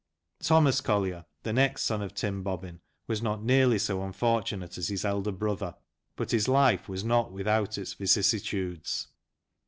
Thomas Collier, the next son of Tim Bobbin, was not nearly so unfortunate as his elder brother, but his life was not without its vicissitudes.